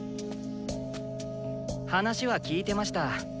話は聞いてました。